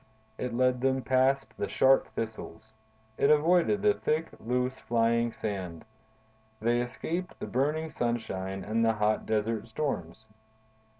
It led them past the sharp thistles, it avoided the thick, loose, flying sand; they escaped the burning sunshine and the hot desert storms.